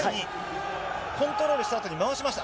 コントロールしたあとに回しました。